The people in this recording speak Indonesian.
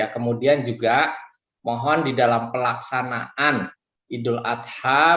kemudian juga mohon di dalam pelaksanaan idul adha